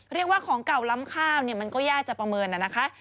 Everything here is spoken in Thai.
ของเก่าล้ำข้าวเนี่ยมันก็ยากจะประเมินนะคะ